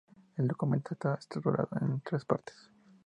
El documental está estructurado en tres partes.